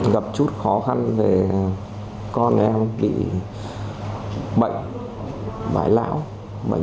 gặp chút khó khăn về con em bị bệnh